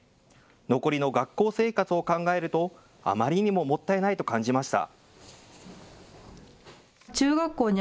残りの学校生活を考えるとあまりにももったいないと感じました。